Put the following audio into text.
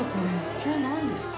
これなんですか？